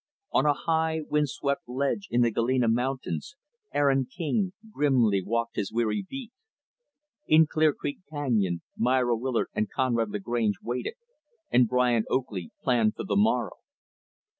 On a high, wind swept ledge in the Galena mountains, Aaron King grimly walked his weary beat. In Clear Creek Canyon, Myra Willard and Conrad Lagrange waited, and Brian Oakley planned for the morrow.